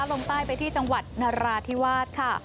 ลงใต้ไปที่จังหวัดนราธิวาสค่ะ